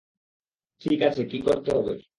ঠিক আছে, কী করতে হবে।